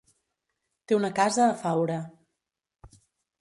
Té una casa a Faura.